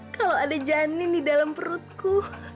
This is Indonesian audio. kalau ada janin di dalam perutku